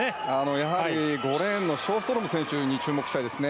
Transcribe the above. やはり５レーンのショーストロム選手に注目したいですね。